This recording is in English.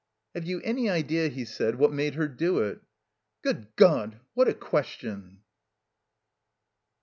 "Have you any idea," he said, "what made her do it?" "Good God, what a question!"